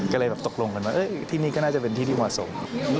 ก็เลยตกลงที่นี่ก็น่าจะเป็นที่ที่มาส่ง